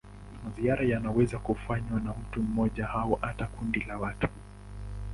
Ziara yaweza kufanywa na mtu mmoja au hata kundi la watu.